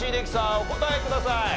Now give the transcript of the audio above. お答えください。